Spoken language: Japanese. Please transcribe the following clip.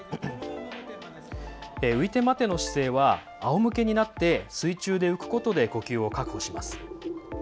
浮いて待ての姿勢はあおむけになって水中で浮くことで呼吸を確保します。